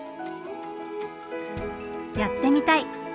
「やってみたい」